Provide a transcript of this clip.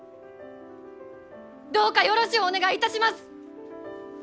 どうかよろしゅうお願いいたします！